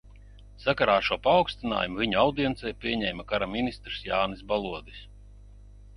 Sakarā ar šo paaugstinājumu viņu audiencē pieņēma kara ministrs Jānis Balodis.